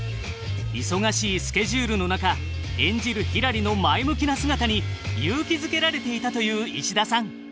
忙しいスケジュールの中演じるひらりの前向きな姿に勇気づけられていたという石田さん。